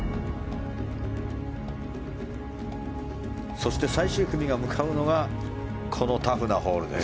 そして、最終組が向かうのがこのタフなホールです。